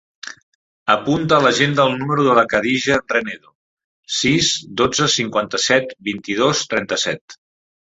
Apunta a l'agenda el número de la Khadija Renedo: sis, dotze, cinquanta-set, vint-i-dos, trenta-set.